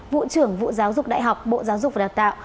vụ trưởng vụ giáo dục đại học bộ giáo dục và đào tạo